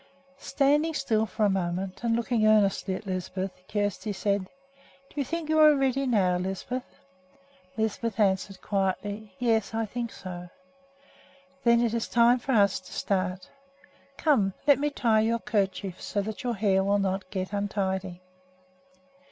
Standing still for a moment and looking earnestly at Lisbeth, Kjersti said, "Do you think you are ready now, Lisbeth?" Lisbeth answered quietly, "Yes, I think so." "Then it is time for us to start. Come, let me tie your kerchief, so that your hair will not get untidy."